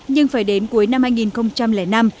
nhưng phải đến cuối năm hai nghìn năm